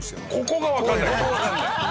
ここがわかんない。